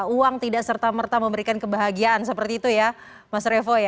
uang tidak serta merta memberikan kebahagiaan seperti itu ya mas revo